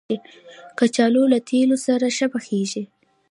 کچالو له تېلو سره ښه پخېږي